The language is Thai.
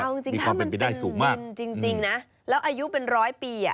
เอาจริงจริงถ้ามันเป็นดินจริงจริงนะแล้วอายุเป็นร้อยปีอ่ะ